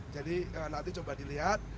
jadi nanti coba dilihat